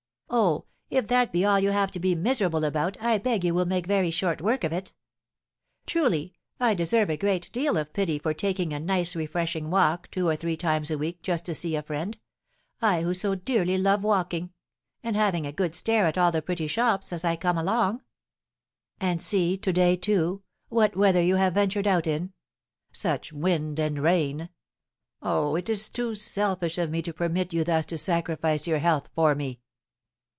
"Oh, if that be all you have to be miserable about I beg you will make very short work of it. Truly, I deserve a great deal of pity for taking a nice refreshing walk two or three times a week just to see a friend I who so dearly love walking and having a good stare at all the pretty shops as I come along." "And see, to day, too, what weather you have ventured out in! Such wind and rain! Oh, it is too selfish of me to permit you thus to sacrifice your health for me!"